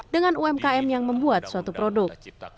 dengan umkm yang membuat suatu produk